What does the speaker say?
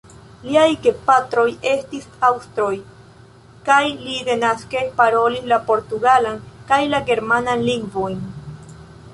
Liaj gepatroj estis aŭstroj kaj li denaske parolis la portugalan kaj la germanan lingvojn.